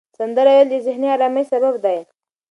سندره ویل د ذهني آرامۍ سبب دی.